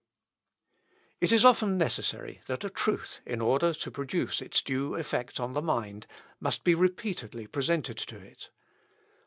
It is often necessary that a truth, in order to produce its due effect on the mind, must be repeatedly presented to it.